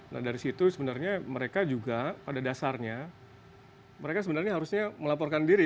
nah dari situ sebenarnya mereka juga pada dasarnya mereka sebenarnya harusnya melaporkan diri